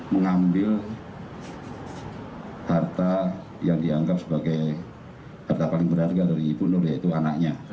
mengambil harta yang dianggap sebagai harta paling berharga dari ibu nur yaitu anaknya